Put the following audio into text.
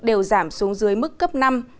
đều giảm xuống dưới mức cấp năm